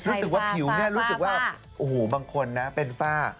รู้สึกว่าผิวเนี่ยรู้สึกว่าโอ้โหบางคนนะเป็นฝ้า